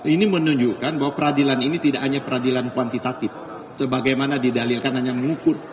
ini menunjukkan bahwa peradilan ini tidak hanya peradilan kuantitatif sebagaimana didalilkan hanya mengukur